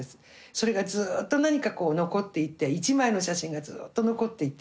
それがずっと何かこう残っていて一枚の写真がずっと残っていて。